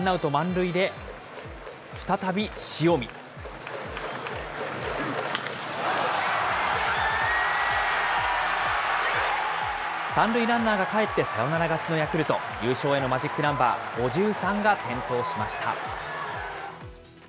３塁ランナーがかえって、サヨナラ勝ちのヤクルト、優勝へのマジックナンバー５３が点灯しました。